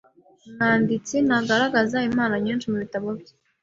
Umwanditsi ntagaragaza impano nyinshi mubitabo bye.